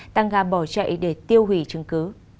tăng ga bỏ chạy để tiêu hủy chứng cứ